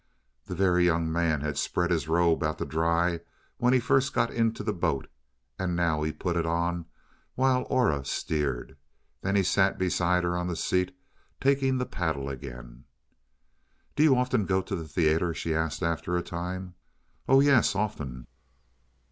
The Very Young Man had spread his robe out to dry when he first got into the boat, and now he put it on while Aura steered. Then he sat beside her on the seat, taking the paddle again. "Do you go often to the theater?" she asked after a time. "Oh, yes, often."